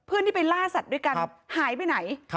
เพื่อนที่ไปล่าสัตว์ด้วยกันหายไปไหน